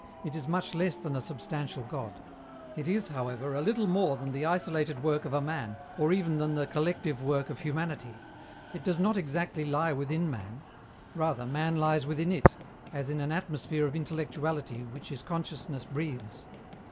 It is much less than a substantial God; it is, however, a little more than the isolated work of a man or even than the collective work of humanity. It does not exactly lie within man; rather, man lies within it, as in an atmosphere of intellectuality which his consciousness breathes.